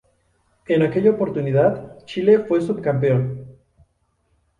En aquella oportunidad Chile, fue subcampeón.